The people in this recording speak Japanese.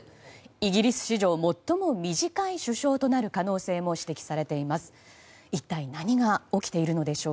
イギリス史上最も短い首相となる可能性も指摘されています。